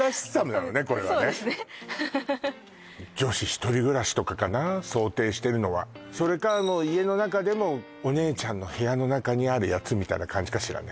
そうですねとかかな想定してるのはそれか家の中でもお姉ちゃんの部屋の中にあるやつみたいな感じかしらね